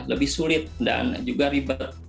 lebih sulit dan juga ribet